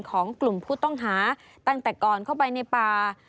ของกลุ่มผู้ต้องหาตั้งแต่ก่อนเข้าไปในป่า